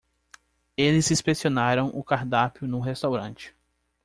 Eles inspecionaram o cardápio no restaurante.